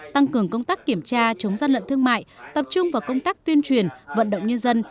tăng cường công tác kiểm tra chống gian lận thương mại tập trung vào công tác tuyên truyền vận động nhân dân